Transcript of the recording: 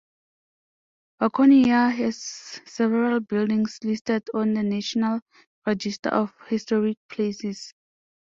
Waconia has several buildings listed on the National Register of Historic Places.